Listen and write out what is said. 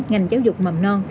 ngành giáo dục mầm non